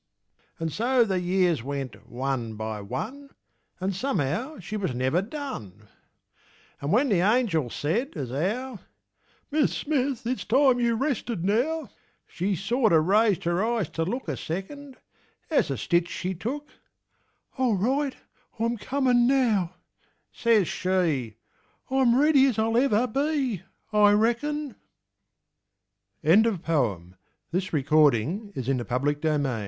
And so the years went one by one. An' somehow she was never done; An' when the angel said, as how " Mis' Smith, it's time you rested now," She sorter raised her eyes to look A second, as a^ stitch she took; All right, I'm comin' now," says she, I'm ready as I'll ever be, I reckon," Albert Bigelow Paine. 120 The Eternal Feminine TR